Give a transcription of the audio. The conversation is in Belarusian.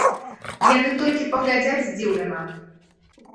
Яны толькі паглядзяць здзіўлена.